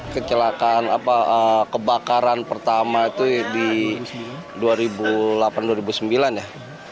kecelakaan kebakaran pertama itu di dua ribu delapan dua ribu sembilan ya